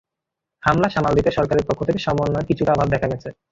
হামলা সামাল দিতে সরকারের পক্ষ থেকে সমন্বয়ের কিছুটা অভাব দেখা গেছে।